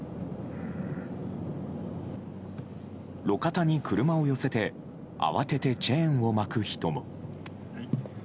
路肩に車を寄せて慌ててチェーンを巻く人も。